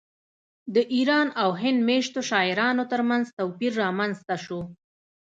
د ایران او هند میشتو شاعرانو ترمنځ توپیر رامنځته شو